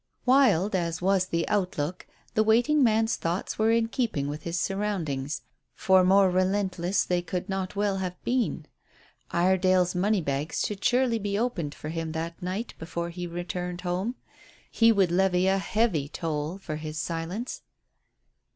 Wild as was the outlook, the waiting man's thoughts were in keeping with his surroundings, for more relentless they could not well have been. Iredale's money bags should surely be opened for him that night before he returned home. He would levy a heavy toll for his silence.